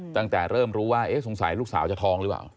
ตั้งแต่เริ่มรู้ว่าสงสัยลูกสาวจะท้องหรือเปล่า